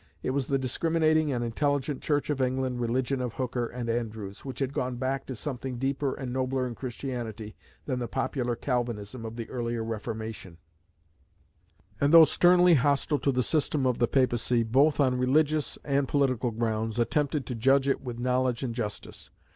It was the discriminating and intelligent Church of England religion of Hooker and Andrewes, which had gone back to something deeper and nobler in Christianity than the popular Calvinism of the earlier Reformation; and though sternly hostile to the system of the Papacy, both on religious and political grounds, attempted to judge it with knowledge and justice.